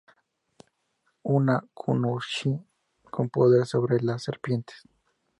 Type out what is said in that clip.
Una kunoichi con poder sobre las serpientes.